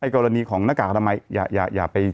กรณีของหน้ากากอนามัยอย่าไป